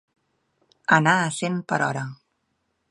Anar a cent per hora.